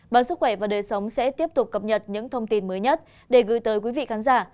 báo sức khỏe và đời sống sẽ tiếp tục cập nhật những thông tin mới nhất để gửi tới quý vị khán giả